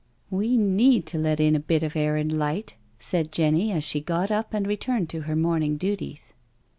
" We need to let in a bit of air and light/' said Jenny, as she got up and returned to her morning duties.